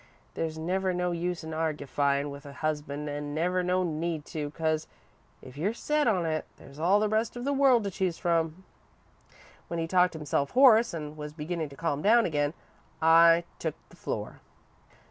There's never no use in argyfyin' with a husband, an' never no need to, 'cause if you're set on it, there's all the rest of the world to choose from. When he'd talked himself hoarse an' was beginnin' to calm down again, I took the floor.